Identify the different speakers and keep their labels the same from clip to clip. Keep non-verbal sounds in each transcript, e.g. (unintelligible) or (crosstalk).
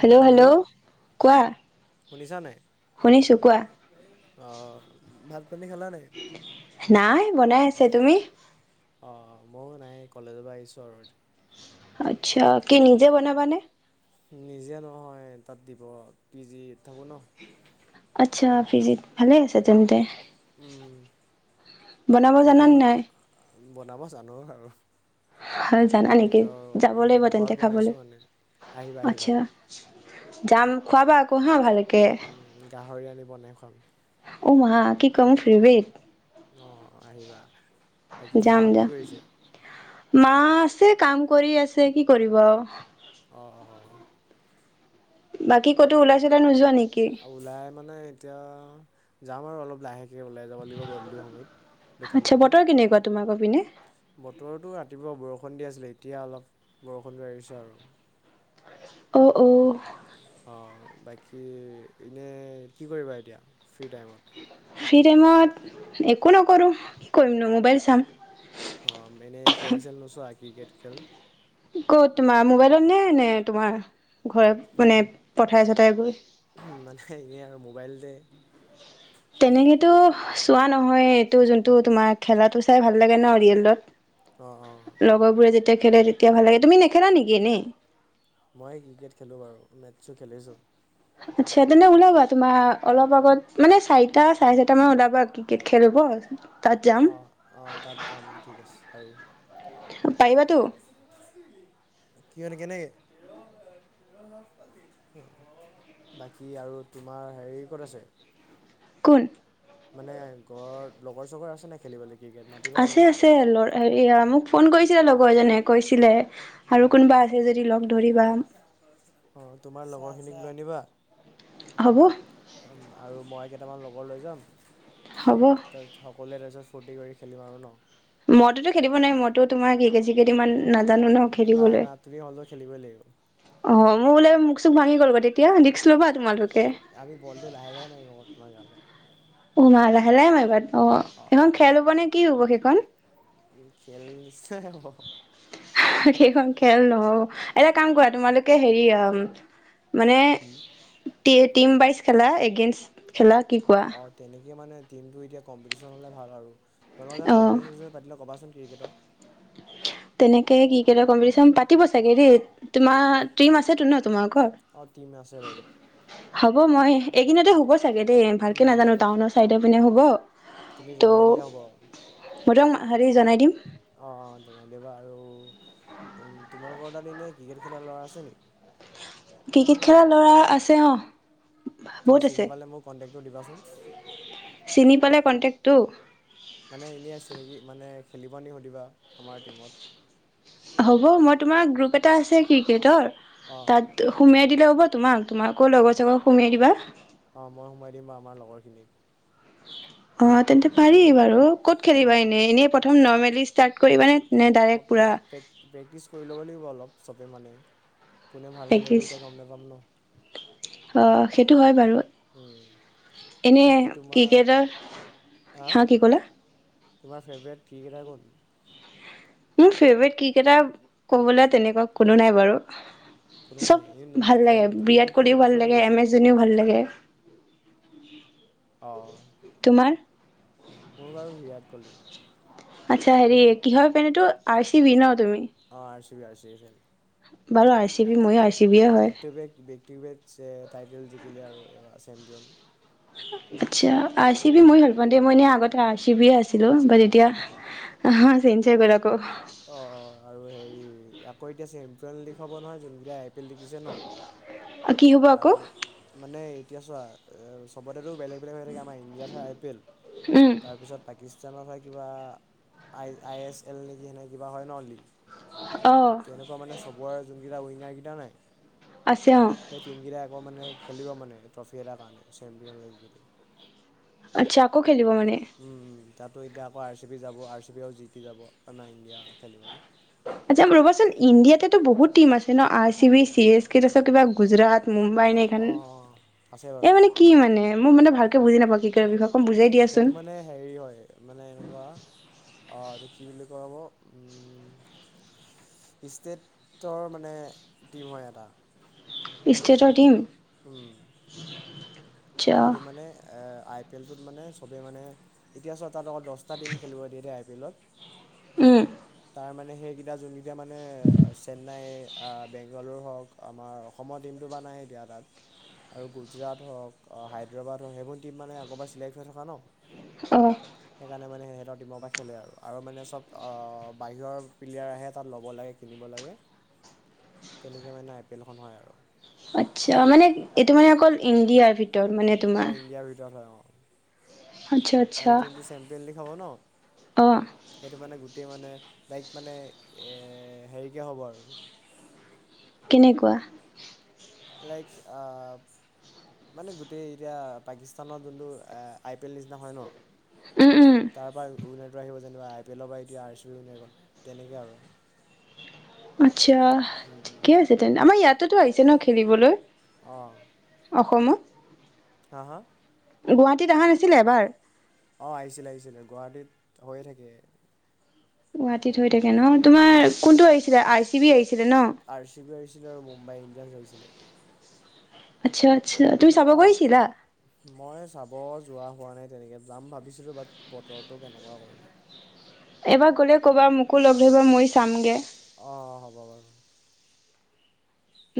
Speaker 1: Hello
Speaker 2: hello
Speaker 1: hello কোৱা।
Speaker 2: শুনিছা নাই।
Speaker 1: শুনিছোঁ কোৱা।
Speaker 2: অ ভাত। পানী খালা নাই?
Speaker 1: নাই বনাই আছে। অচ্ছাঁ তুমি।
Speaker 2: অ মইও নাই কলেজৰ পৰা আহিছোঁ আৰু।
Speaker 1: আচ্ছা কি নিজে বনাবানে।
Speaker 2: নিজে নহয় তাত দিব পিজিত। থাকোঁ ন।
Speaker 1: আচ্ছাি পিজিত ভালে আছে তেন্তে।
Speaker 2: উম্।
Speaker 1: বনাব জানানে নাই।
Speaker 2: বনাব জানো আৰু।
Speaker 1: হয় জানা নেকি
Speaker 2: সেইটো আৰু
Speaker 1: যাব লাগিব
Speaker 2: ঘৰত
Speaker 1: তেন্তে খাবলৈ
Speaker 2: বনাইছোঁ মানে। আহিবা আহিবা
Speaker 1: আচ্ছা। যাম খোৱাবা আকৌ হা। ভালকে
Speaker 2: উম্ গাহৰি আনি বনাই খুৱাম।
Speaker 1: অ মা কি কম ফেভৰেত।
Speaker 2: অ আহিবা বাকী
Speaker 1: যাম
Speaker 2: মাহঁত কি
Speaker 1: যাম
Speaker 2: কৰিছ।
Speaker 1: মা আছে, কাম কৰি আছে, কি কৰিব?
Speaker 2: অ, অ।
Speaker 1: বাকী ক'তো ওলাইছে, তই নোযোৱা নেকি?
Speaker 2: ওলাই মানে এতিয়া যাম আৰু অলপ লাহে ওলাই যাব লাগিব গধুলি সময়ত, দোকান
Speaker 1: আচ্ছা
Speaker 2: পিনে।
Speaker 1: বতৰ কেনেকুৱা তোমাকৰ পিনে?
Speaker 2: বতৰতো ৰাতিপুৱা বৰষুণ দি আছিলে এতিয়া অলপ বৰষুণটো আহিছে আৰু।
Speaker 1: অ, অ।
Speaker 2: অ বাকী, এনে কি কৰিবা এতিয়া? ফ্ৰী টাইমত?
Speaker 1: ফ্ৰী টাইমত, একো নকৰো, কি কৰিম নো মোবাইল চাম।
Speaker 2: অ, মানে খেল চেল নুচোৱা? ক্ৰিকেট খেল?
Speaker 1: ক'ত তোমাৰ মোবাইলত নে, নে তোমাৰ ঘৰত মানে পথাৰ চথাই গৈ?
Speaker 2: উম মানে এনে আৰু মোবাইলতে-
Speaker 1: তেনেকেতো, চোৱা নহয় এইটো যোনটো তোমাৰ খেলাটো চাই ভাল লাগে ন
Speaker 2: অ অ
Speaker 1: ৰিয়েলত। লগৰ বোৰে যেত খেলে তেতিয়া ভাল লাগে, তুমি নেখেলা নেকি এনে?
Speaker 2: মই ক্ৰিকেট খেলোঁ বাৰু মেটছো খেলিছোঁ।
Speaker 1: আচ্ছা, তেন্তে ওলাবা তোমাৰ অলপ আগত মানে চাৰিটা চাৰে চাৰিটা মান ওলাবা ক্ৰিকেট খেল হব-
Speaker 2: অহ, অহ, তাত যাম ঠিক আছে, পাৰিম।
Speaker 1: পাৰিবাতো
Speaker 2: কি হয় কেনেকে, বাকী আৰু তোমাৰ হেৰি ক'ত আছে?
Speaker 1: কোন?
Speaker 2: মানে ঘৰত লগৰ চগৰ আছে নে খেলিবলে?
Speaker 1: আছে আছে, ল হে মোক ফোন কৰিছিলে লগৰজনে কৈছিলে-
Speaker 2: অ,
Speaker 1: আৰু কোনোবা আছে যদি লগ ধৰিবা
Speaker 2: অ, তোমাৰ লগৰ খিনিক ম- নিবা?
Speaker 1: হ'ব।
Speaker 2: উম আৰু মই কে কেইটামান লগৰ লৈ যাম-
Speaker 1: হ'ব
Speaker 2: তাৰপিছত সকলোৱে তাৰপিছত ফূৰ্তি কৰি খেলিম আৰু ন।
Speaker 1: মই তোতো খেলিব নোৱাৰি মইটো তোমাৰ কি কেজি কেইদমান নাজানো ন
Speaker 2: না
Speaker 1: খদিবলৈ,
Speaker 2: না তুমি হ'লেও খেলিবই লাগিব
Speaker 1: অ মোৰ বোলে চুক ভাঙি গল বা তেতিয়া দি
Speaker 2: আমি বলটো লাহে লাহে মাৰিব, তোমাৰ গালে।
Speaker 1: উমাহ লাহে লাহে মাৰ এইবাৰ। অ সেইখন খেল হব নে কি হব সেই। কণ।
Speaker 2: উ খেলছে শেষ। হব।
Speaker 1: সেইখন খেল নহও এটা কাম কৰা তোমালোকে হেৰি অ। মানে। টি এ টিম পাইজ খেলা এগেনষ্ট খেলা। কি কোৱা।
Speaker 2: এতিয়া মানে টিমটো এতিয়া কম্পিটি্যন হ'লে ভাল আৰু। তোমালোকৰ
Speaker 1: অ
Speaker 2: কম্পিটিশ্যন পাতিলে ক বা চোন। ক্ৰিকেটৰ।
Speaker 1: তেনেকে ক্ৰিকেটৰ কম্পিটিশ্যন পাতিব চাগে দেই তোমাৰ টিম আছে টো ন তোমাৰ।
Speaker 2: অ টিম আছে বাৰু।
Speaker 1: হ'ব মই এইদিনতে হব। চাগ দেই ভালকে নাজানো টাউনৰ চাইডে। মানে হ'ব।
Speaker 2: তুমি জনাই দিলে হ'ব।
Speaker 1: সদং হাৰি জনাই দিম।
Speaker 2: অ অ জনাই দেৱা আৰু উ তোমালোকৰ তাত এনে ক্ৰিকেট খেলাৰ ল'ৰা আছে নেকি।
Speaker 1: ক্ৰিকেট খেলা ল'ৰা আছে অহ।
Speaker 2: তুমি চিনি পালে মোক কন্টেক। টো দিবাচোন।
Speaker 1: চিনি পালে কণ্টেক্টো।
Speaker 2: মানে এনেই আছে নেকি মানে খেলিবা নি সুধিবা আমাৰ টিমত।
Speaker 1: হ'ব মই তোমাৰ গ্ৰুপ এটা আছে ক্ৰিকেটৰ।
Speaker 2: অঁ
Speaker 1: তাত সোমোইঁ। দিলে হ'ব তোমাক। তোমালোকৰ লগৰ
Speaker 2: অঁ
Speaker 1: চগৰ সুমাই দিবা।
Speaker 2: তোমাৰ লগৰখিনিক।
Speaker 1: (unintelligible) অ তেন্তে পাৰি বাৰু ক'ত খেলিবা
Speaker 2: অঁ
Speaker 1: এনেই এনেই প্ৰথম নৰৰ্মেলি। ষ্টাৰ্ট কৰিবানে।
Speaker 2: অ পেক পেক প্ৰক্টিচ কৰি ল'ব লাগিব অলপ। চবে মানে। কোনে ভাল খেলে
Speaker 1: প্ৰেক্টিচ?
Speaker 2: এতিয়া গম নোপাম ন।
Speaker 1: অ সেইটো হয় বাৰু। এনে
Speaker 2: বাকী তোমাৰ
Speaker 1: ক্ৰিকেটাৰ হা কি ক'লা?
Speaker 2: আ ফেভৰেট ক্ৰিকেটাৰ কোন
Speaker 1: মোৰ ফেভাৰট ক্ৰিকেটাৰ ক'বলৈ তেনেকুৱা কোনো নাই বাৰু
Speaker 2: কোনো নাই
Speaker 1: চব
Speaker 2: এই
Speaker 1: ভাল
Speaker 2: খেল
Speaker 1: লাগে বিৰাট
Speaker 2: ক্ৰিকেট খেল
Speaker 1: কোহলিও ভাল
Speaker 2: নোচোৱা নি
Speaker 1: লাগে এম এছ
Speaker 2: বেছিকৈ
Speaker 1: ধনীও ভাল লাগে
Speaker 2: অঁ
Speaker 1: তোমাৰ
Speaker 2: মোৰ বাৰু বিৰাট কোহলী
Speaker 1: আচ্ছা হেৰি কি হয় টীম এইটো আৰ চি বি ন তুমি
Speaker 2: অ আৰ চি বি
Speaker 1: বাৰু আৰ চি বি ময়ো আই চি বিয়ে হয়
Speaker 2: back to back back title জিকিলে আৰু আৰু চেম্পিয়ন
Speaker 1: (unintelligible) আচ্ছা আই চি বি মই ভাল পাওঁ দে মইনেই আগত। আই চি বিয়ে আছিলো বাট এতিয়া চে ক'
Speaker 2: অঁ আৰু হেৰি আকৌ এতিয়া চেম্পিয়ন লীগ হ'ব নহয় যোনকেইটা আই পি এল জিকিছে ন।
Speaker 1: কি হ'ব
Speaker 2: আৰু
Speaker 1: আকৌ
Speaker 2: মানে এতিয়া চোৱা চবতে বেলেগ বেলেগ হৈ থাকে আমাৰ ইণ্ডিয়াত হয় আই পি এল
Speaker 1: উম
Speaker 2: তাৰ পিছত পিস আইচিয়ামৰ কিবা আই আই এছ এল নেকি সেনে কিবা হয় ন লীগ
Speaker 1: অ
Speaker 2: তেনেকুৱা মানে চবৰে যোন কিবা উইনাৰকেইটা নাই
Speaker 1: আছে অ
Speaker 2: সেই টিম কেইটা আকৌ মানে খেলিব মানে ট্ৰফি এটাৰ কাৰণে চেম্পিয়ন লি
Speaker 1: আচ্ছাক খেলিব মানে
Speaker 2: তাতো এতিয়া আকৌ আৰ চি বি যাব আৰ চি পবি ও জিকি যাব আমাৰ ইণ্ডিয়া খেলিবলৈ।
Speaker 1: আচ্ছা ৰ'বাচোন ইণ্ডিয়াতেতো বহুত টিম আছে ন I C B C S K ত আ কিবা গুজৰাট মুম্বাই নে
Speaker 2: অঁ
Speaker 1: এইখন
Speaker 2: অঁ অঁ আছে
Speaker 1: এই
Speaker 2: বাৰু
Speaker 1: মানে কি মানে মোৰ মান ভালকে বুজি নাপাও কি কাৰণে বা
Speaker 2: সেইটো মানে হেৰি হয় মানে এনেকুৱা অ এইটো কি বুলি কব ষ্টেটৰ মানে টিম হয় এটা।
Speaker 1: ষ্টেটৰ টিম
Speaker 2: উম
Speaker 1: আচ্ছা
Speaker 2: তাহাঁতি মানে এ আই পি এলটোত মানে চবেই মানে এতিয়া চব তাত অকল দহ দষ্ট টিম খেলিব দিয়ে বিলত
Speaker 1: উম
Speaker 2: তাৰমানে সেইকেইটা যোনকেইটা মানে চেন্নাই বেংগালৰু হওক আমাৰ অসমৰ টীমটো বা নাই এতিয়া তাত আৰু গুজৰাট হওক হায়দৰাবাদ হওক সেইবোৰ টীম মানে আগৰবাৰ চিলেক্ট হৈ থকা ন।
Speaker 1: অহ
Speaker 2: সেইকাৰণে মানে সেতৰ টিমৰ পৰা খেলে আৰু মানে চব অ বাহিৰৰ প্লেয়াৰ আহে তাত ল'ব লাগে কিনিব লাগে তেনেকৈ মানে আই এপেলখন হয় আৰু
Speaker 1: আচ্ছা মানে এইটো মানে অকল ইণ্ডিয়াৰ ভিতৰত মানে
Speaker 2: অঁ
Speaker 1: তোমাৰ
Speaker 2: ইণ্ডিয়াৰ ভিতৰত হয় অঁ
Speaker 1: আচ্ছা আচ্ছা
Speaker 2: আৰু যোনটো চেম্পিয়ন হ'ব ন
Speaker 1: অ
Speaker 2: সেইটো মানে গোট মানে দাৰেক মানে এ হেৰিকে হ'ব আৰু
Speaker 1: কেনেকুৱা
Speaker 2: লাইক আহ মানে গোটেই এতিয়া পাকিস্তানৰ যোনটো আই পি এল নিচিনা হয় ন
Speaker 1: উম উম
Speaker 2: তাৰ পৰা উইনাৰটো আহিব যেনিবা আই পি এলৰ পৰা এতিয়া আৰ চি বি উইনাৰ গ তেনেকৈ আৰু
Speaker 1: আচ্ছা ঠিকে আছে তেন্ত আমাৰ ইয়াত তো আহিছে ন খেলিবলৈ
Speaker 2: অহ
Speaker 1: অসমত।
Speaker 2: হা হা
Speaker 1: গুৱাহাটীত আহা নাছিলে এবাৰ।
Speaker 2: অহ আহিছিলে আহিছিলে গুৱাহাটীত হৈয়ে থাকে।
Speaker 1: গুৱাহাটীত হৈ থাকে
Speaker 2: হয়
Speaker 1: ন তোমাৰ কোনটো আহিছিলে আইচ। টিভি আহিছে।
Speaker 2: আৰ চি বি আহিছিলে আৰু মুম্বাই ইণ্ডিয়ানছ আহিছিলে।
Speaker 1: আচ্ছা। আচ্ছা তুমি চাব
Speaker 2: অঁ
Speaker 1: গৈছিলা।
Speaker 2: মই চাব যোৱা হোৱা নাই তেনেকৈ যাম ভাবিছিলোঁ বাট বতৰটো কেনেকুৱা কৰি।
Speaker 1: এইবাৰ গ'লে ক'বা মোকো লগ ধৰিবা মই চামগে।
Speaker 2: অ হ'ব বাৰু।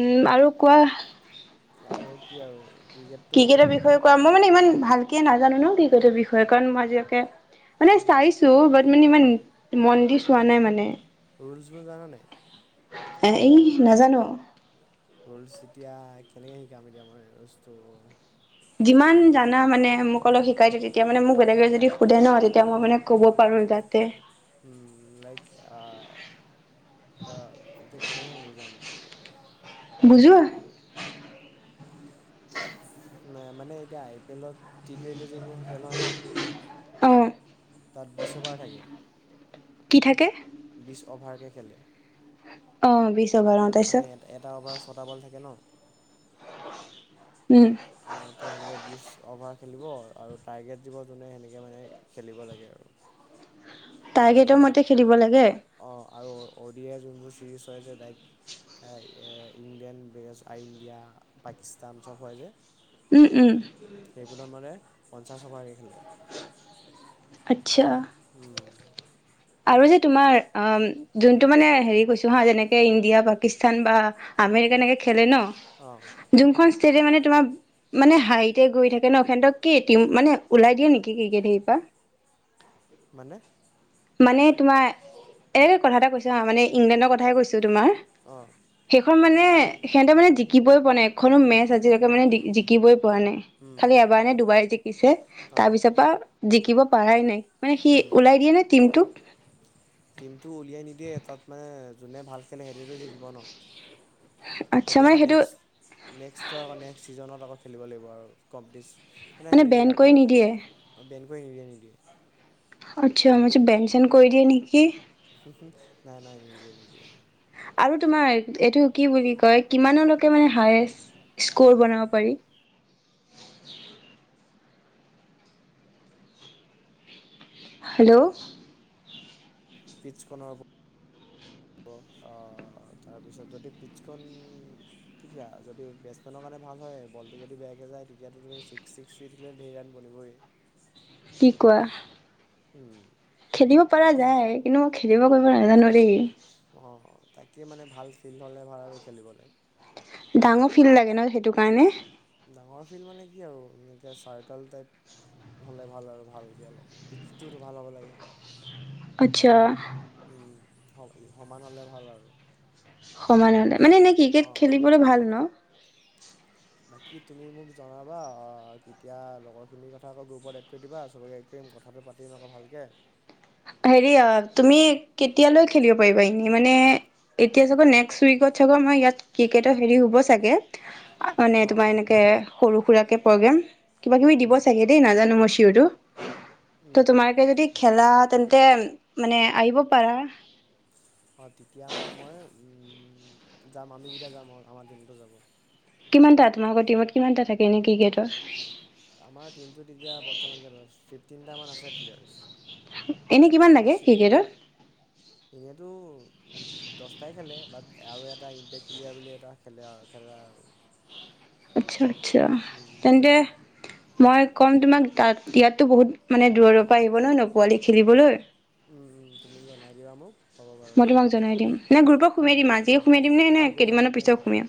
Speaker 1: উম আৰু কোৱা।
Speaker 2: আৰু কি আৰু ক্ৰিকেটটো এতিয়া যেতিয়া।
Speaker 1: কি নাজানো ন কিৰ্কেট বিষয়ে কাৰণ মই আজিয়াক মানে চাইছো বাট মানে ইমান মন দি চোৱা নাই মানে।
Speaker 2: ৰুুলছবোৰ জান নাই।
Speaker 1: এ এই নাজানো আৰু
Speaker 2: ৰোলচ এতিয়া কেনেকে শিকাম এতিয়া মই ৰোলচটো।
Speaker 1: যিমান জানা মানে মোক অলপ। শিকাই তেতিয়া মানে মোক বেলেগে যদি সুধে ন তেতিয়া মই মানে ক'ব পাৰোঁ যাতে।
Speaker 2: উম লাইক আহ। আহ এতিয়া কেনেকে বুজাম?
Speaker 1: বুজোৱা
Speaker 2: নে মানে এতিয়া আই পি এলত টি টুৱেণ্টি চলিছে। খেল হয় ন
Speaker 1: অ
Speaker 2: তাত বিছ অভাৰ থাকে।
Speaker 1: কি থাকে?
Speaker 2: বিশছ অভাৰ কে খেলে
Speaker 1: অ বিশছ।
Speaker 2: মানে এ এটা অভাৰ ছটা বল থাকে ন।
Speaker 1: উম
Speaker 2: তো সেনেকে বিশছ অভাৰ খেলিব, আৰু টাৰ্গেট দিব যোনে সেনেকে মানে খেলিব লাগে আৰু।
Speaker 1: তাৰগেটৰ
Speaker 2: তাৰপৰা
Speaker 1: মতে খেলিব লাগে।
Speaker 2: অ'ডি আই যোনবোৰ ছিৰিজ হয় যে, ডাইৰেক্ট ইংলেণ্ড বিৰেজ, ইণ্ডিয়া, পাকিস্তান চব হয় যে।
Speaker 1: উম উম
Speaker 2: সেইবোৰত মানে পঞ্চাশ অভাৰকে খেলে।
Speaker 1: আচ্ছা
Speaker 2: উম
Speaker 1: আৰু যে তোমাৰ অ যোনটো মানে হেৰি কৈছো হা যেনেকে ইণ্ডিয়া, পাকিস্তান বা আমেৰিকা এনেকে খেলে ন
Speaker 2: অঁ
Speaker 1: যোনখন তেতিয়া মানে তোমাৰ মানে হাৰিতে গৈ থাকে ন, এসেতক কি মানে ওলাই দিয়ে নেকি ক্ৰিকেটৰ পৰা?
Speaker 2: মানে?
Speaker 1: মানে তোমাৰ এনেকে কথা এটা কৈছো হা, মানে ইংলেণ্ডৰ কথায়ে কৈছো তোমাৰ
Speaker 2: অঁ
Speaker 1: হে খন মানে সিহতে মানে জিকিবই পোৱা নাই। এখনো মেচ আজিলৈকে মানে জিকিবই পোৱা নাই। পোৱা নাই খালি এবাৰ নে দুবাৰ জিকিব জিকিছে তাৰ
Speaker 2: অঁ
Speaker 1: পিছৰ আ জিকিব পাৰাই নাই। মানে সি ওলাই দিয়ে নে? টিমটোক
Speaker 2: টিমটো উলিয়াই নিদিয়ে তাত মানে যোনে ভাল খেলে সেইটোৱেতো জিকিব ন
Speaker 1: আচ্ছা
Speaker 2: সেহেতি
Speaker 1: মানে
Speaker 2: আকৌ
Speaker 1: সেইটো
Speaker 2: নেক্স, নেক্সটৰ, নেক্সট ছিজনত আকৌ খেলিব লাগিব আৰু কবডিচ।
Speaker 1: মানে বেন কৰি নিদিয়ে।
Speaker 2: বেন নিদিয়ে নিদিয়ে।
Speaker 1: আচ্ছা মই চ বেন চেন কৰি দিয়ে নেকি।
Speaker 2: নাই নাই নিদিয়ে নিদিয়ে।
Speaker 1: আৰু তোমাৰ এইটো কি বুলি কয় কিমানলৈকে মানে হাইষ্ট স্কৰ বনাব পাৰি। হেল্ল'।
Speaker 2: পিটছখনৰ তাৰপিছত যদি পিটছখন কেতিয়া যদি বেটছমেনৰ কাৰণে ভাল হয় বলটো যদি বেয়াকে যায় তেতিয়াতো তু ছিক্স ছিক্স চুই থাকিলে টো ধেৰ ৰান বনিবই।
Speaker 1: কোৱা।
Speaker 2: উম।
Speaker 1: খেদিব পৰা যায় কিন্তু। খেলিব কৰিব নাজানো দেই।
Speaker 2: অ তাকে মানে ভাল ফিল্ড হলে ভাল আৰু খেলিবলে।
Speaker 1: ডাঙৰ ফিল্ড লাগে ন সেইটো কাৰণে।
Speaker 2: ডাঙৰ ফিল্ড মানে কি আৰু এনেকৈ চাৰ্কল টাইপ হ'লে ভাল আৰু ভালকৈ অলপ পিটছটো ভাল হ'ব লাগে।
Speaker 1: আচ্ছা।
Speaker 2: উম সমান হলে ভাল আৰু।
Speaker 1: সমান হলে। মানে এনে ক্ৰিকেট
Speaker 2: অঁ অঁ
Speaker 1: খেলিবলৈ ভাল ন।
Speaker 2: বাকী তুমি মোক জনাবা কেতিয়া লগৰখিনিৰ কথা আকৌ গ্ৰুপত এড কৰি দিবা চবকে এড কৰিম কথাটো পাতিম আকৌ ভালকে।
Speaker 1: হেৰি তুমি কেতিয়া লৈ খেলিব পাৰিবা এনে মানে এতিয়া চাগে নেক্সট উইকত আমাৰ ইয়াত ক্ৰিকেটৰ হেৰি হব চাগে। মানে
Speaker 2: অঁ
Speaker 1: তোমাৰ এনেকে সৰু সুৰাকে। প্ৰগেম। কিবা কিবি দিব
Speaker 2: উম
Speaker 1: চাগে দেই নাজানো মই চিয়ৰটো। ত
Speaker 2: উম।
Speaker 1: তোমালোকে যদি। খেলা তেন্তে। তেন মানে আহিব পাৰা।
Speaker 2: অঁ তেতিয়া মানে মই উম যাম আমি কেইটা যাম আমাৰ টিমটো যাব।
Speaker 1: কিমানটা তোমালোকৰ টিমত কিমানটা থাকে এনে ক্ৰিকেটৰ।
Speaker 2: আমাৰ টিমটোত এতিয়া বৰ্তমানকে ফিফটিনটা মান আছে
Speaker 1: এনে কিমান
Speaker 2: প্লেয়াৰ্চ।
Speaker 1: লাগে ক্ৰিকেটৰ
Speaker 2: বেচো এনেতো দছটাই খেলে। বাট আৰু এটা ইম্পেক্ট প্লেয়াৰ বুলি এটা খেলে আৰু খেলে আৰু।
Speaker 1: আচ্ছা। আচ্ছা তেন্তে। মই কম তোমাক তাত ইয়াতো বহুত মানে দূৰৰ পৰা আহিব ন পোৱালি খেলিবলৈ।
Speaker 2: তুমি জনাই দিবা মোক। হ'ব বাৰু
Speaker 1: মই
Speaker 2: এতিয়া
Speaker 1: তোমাক জনাই দিম। নাই গ্ৰুপত সোমাই
Speaker 2: অঁ
Speaker 1: দিম আজিয়ে সোমাই দিম নে নে
Speaker 2: আৰু গ্ৰুপত
Speaker 1: কেইদিনমানৰ
Speaker 2: সোমাই
Speaker 1: পিছত
Speaker 2: দিবা
Speaker 1: সোমাম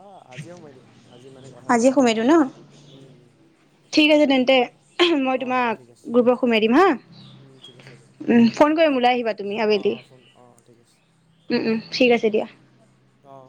Speaker 2: অঁ আজিয়ে সোমাই দিবা আজি মানে কথাটো
Speaker 1: আজিয়ে
Speaker 2: পাতিলে
Speaker 1: সোমাই
Speaker 2: ভাল
Speaker 1: দিওঁ ন
Speaker 2: হ'ব
Speaker 1: ঠিক আছে তেন্তে মই
Speaker 2: অঁ হ'ব
Speaker 1: তোমাক
Speaker 2: ঠিক আছে
Speaker 1: গ্ৰুপত সোমাই দিম হা
Speaker 2: ঠিক
Speaker 1: ফোন কৰিম ওলাই আহিবা তুমি
Speaker 2: অ
Speaker 1: আবেলি।
Speaker 2: ফোন অ ঠিক আছে।
Speaker 1: উম উম ঠিক আছে দিয়া।
Speaker 2: আহ